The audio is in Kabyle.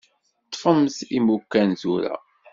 Ṭṭfemt imukan tura.